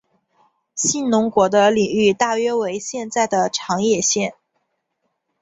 信浓国的领域大约为现在的长野县。